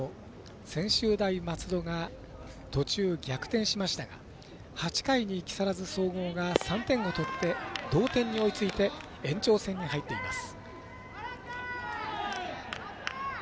専修大松戸が途中逆転しましたが８回に木更津総合が３点を取って、同点に追いついて延長戦に入っています。